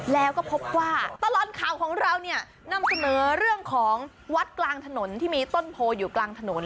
แล้วก็พบว่าตลอดข่าวของเราเนี่ยนำเสนอเรื่องของวัดกลางถนนที่มีต้นโพอยู่กลางถนน